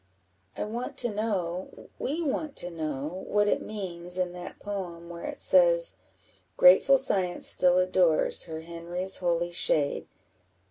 "I want to know we want to know what it means in that poem, where it says, 'Grateful Science still adores Her Henry's holy shade.'